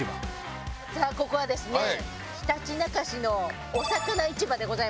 さあここはですねひたちなか市のおさかな市場でございます。